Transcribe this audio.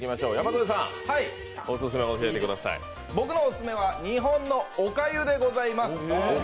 僕のオススメは日本のおかゆでございます。